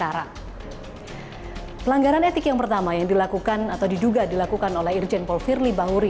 yang pertama adalah pelanggaran etik yang pertama yang dilakukan atau diduga dilakukan oleh irjen paul firli bahuri